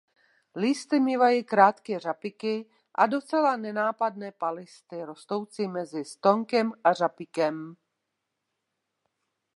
Listy mívají krátké řapíky a docela nenápadné palisty rostoucí mezi stonkem a řapíkem.